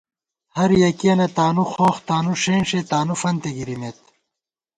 ہر یَکِیَنہ تانُو خوخ تانُو ݭېنݭےتانُوفنتےگِرِمېت